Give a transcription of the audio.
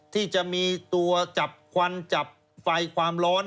ที่จะมีตัวจับควันจับไฟความร้อน